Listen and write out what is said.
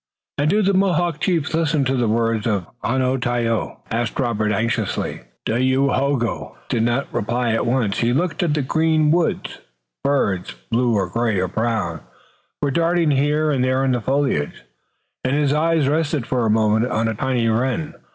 "And do the Mohawk chiefs listen to the words of Onontio?" asked Robert anxiously. Dayohogo did not reply at once. He looked at the green woods. Birds, blue or gray or brown, were darting here and there in the foliage, and his eye rested for a moment on a tiny wren.